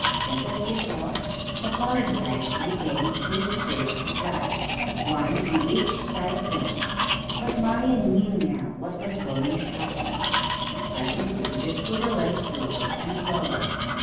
Just as before, the coloured lights became two streaks of light, one on each side of them. But Marian knew now what was going to happen, and presently the scooter went slower and slower.